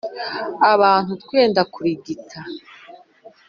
abantu twenda kurigita.